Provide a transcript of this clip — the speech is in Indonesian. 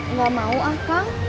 nggak mau akang